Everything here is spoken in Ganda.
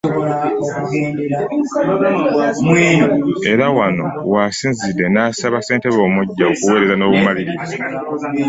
Era wano w'asinzidde n'asaba ssentebe omuggya okuweereza n'obumalirivu